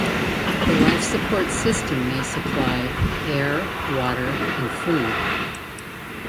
The life support system may supply: air, water and food.